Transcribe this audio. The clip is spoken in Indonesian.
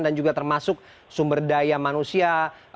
dan juga termasuk sumber daya manusia